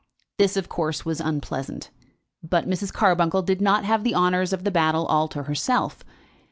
This, of course, was unpleasant; but Mrs. Carbuncle did not have the honours of the battle all to herself.